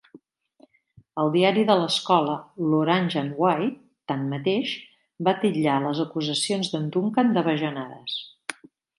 El diari de l'escola, l'"Orange and White", tanmateix, va titllar les acusacions d'en Duncan de bajanades.